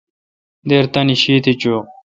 دیر تانی شیتھ چویں۔